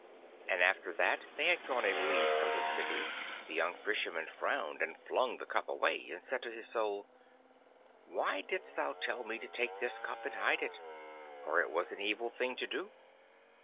And after that they had gone a league from the city, the young Fisherman frowned, and flung the cup away, and said to his Soul, 'Why didst thou tell me to take this cup and hide it, for it was an evil thing to do?